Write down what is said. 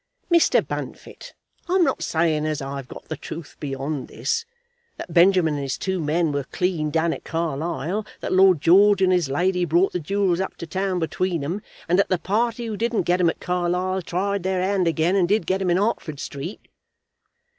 "Mr. Bunfit, I'm not saying as I've got the truth beyond this, that Benjamin and his two men were clean done at Carlisle, that Lord George and his lady brought the jewels up to town between 'em, and that the party who didn't get 'em at Carlisle tried their hand again and did get 'em in Hertford Street."